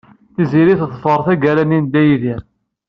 Tiziri teḍfer targa-nni n Dda Yidir.